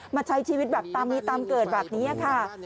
มาใช้ชีวิตแบบตามมีตามเกิดแบบนี้ค่ะ